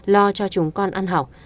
lo cho chúng con ăn học